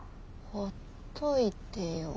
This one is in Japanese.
ほっといてよ。